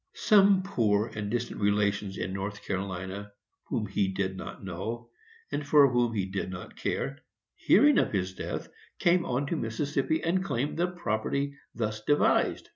Some poor and distant relations in North Carolina, whom he did not know, and for whom he did not care, hearing of his death, came on to Mississippi, and claimed the property thus devised.